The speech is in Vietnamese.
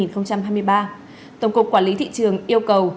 tổng cục quản lý thị trường yêu cầu